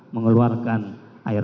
mengeluarkan file tersebut